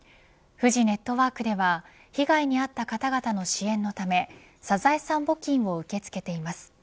フジネットワークでは被害に遭った方々の支援のためサザエさん募金を受け付けています。